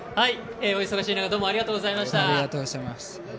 お忙しい中どうもありがとうございました。